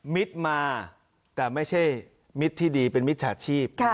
มิตรมาแต่ไม่ใช่มิตรที่ดีเป็นมิจฉาชีพ